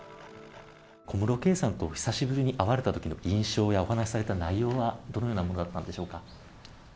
小室圭さんと久しぶりに会われたときの印象や、お話された内容は、どのようなものだったんでしょうか。